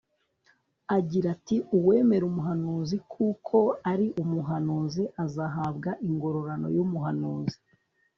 agira ati Uwemera umuhanuzi kuko ari umuhanuzi azahabwa ingororano yumuhanuzi